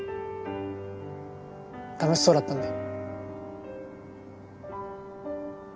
楽しそうだったんで。